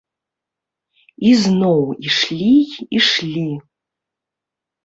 І зноў ішлі і ішлі.